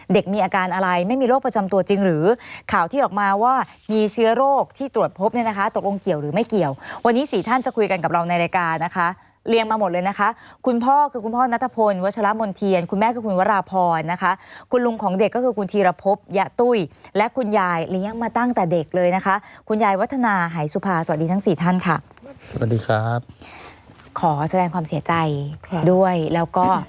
เด็กมีอาการอะไรไม่มีโรคประจำตัวจริงหรือข่าวที่ออกมาว่ามีเชื้อโรคที่ตรวจพบเนี่ยนะคะตกลงเกี่ยวหรือไม่เกี่ยววันนี้สี่ท่านจะคุยกันกับเราในรายการนะคะเลี้ยงมาหมดเลยนะคะคุณพ่อคือคุณพ่อนัทพลวชละมนต์เทียนคุณแม่คือคุณวราพรนะคะคุณลุงของเด็กก็คือคุณทีรพพยะตุ้ยและคุณยายเลี้ยงมาตั้งแต่เด็ก